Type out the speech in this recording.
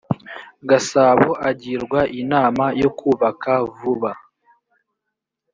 gasabo agirwa inama yo kubaka vuba